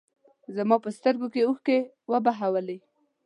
زما په سترګو کې اوښکې وبهولې.